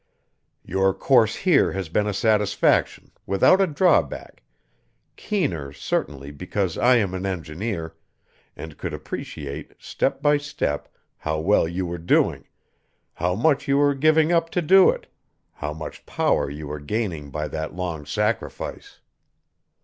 Your course here has been a satisfaction, without a drawback keener, certainly, because I am an engineer, and could appreciate, step by step, how well you were doing, how much you were giving up to do it, how much power you were gaining by that long sacrifice.